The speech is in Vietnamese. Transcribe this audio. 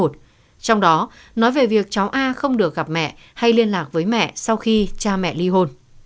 trong đó nói về việc cháu a không được gặp mẹ hay liên lạc với mẹ sau khi cha mẹ ly hôn